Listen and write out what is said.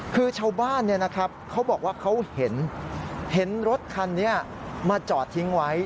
คือชาวบ้านเขาบอกว่าเขาเห็นรถคันนี้มาจอดทิ้งไว้